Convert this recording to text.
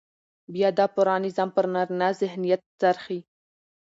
بيا دا پوره نظام پر نارينه ذهنيت څرخي.